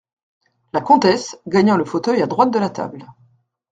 La Comtesse , gagnant le fauteuil à droite de la table.